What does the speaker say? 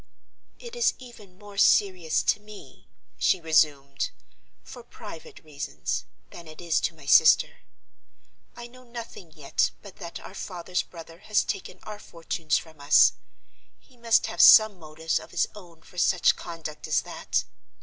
"It is even more serious to me," she resumed, "for private reasons—than it is to my sister. I know nothing yet but that our father's brother has taken our fortunes from us. He must have some motives of his own for such conduct as that.